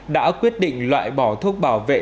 đã quyết định loại bỏ thuốc bảo vệ